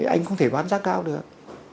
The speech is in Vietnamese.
anh không thể bán giá cao được